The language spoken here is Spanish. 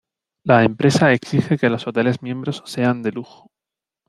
La empresa exige que los hoteles miembros sean de lujo.